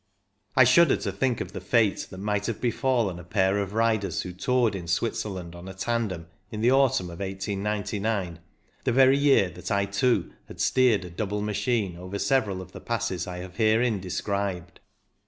I shudder to think of the fate that might have befallen a pair of riders who toured PURELY MECHANICAL 223 in Switzerland on a tandem in the autumn of 1899, the very year that I too had steered a double machine over several of the passes I have herein described.